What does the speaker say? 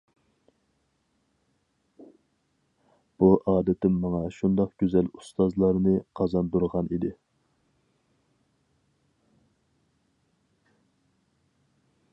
بۇ ئادىتىم ماڭا شۇنداق گۈزەل ئۇستازلارنى قازاندۇرغان ئىدى.